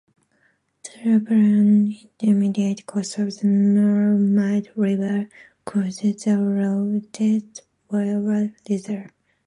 The upper and intermediate course of the Normand River crosses the Laurentides Wildlife Reserve.